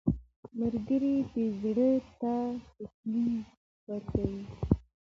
ملګری د زړه ته تسلي ورکوي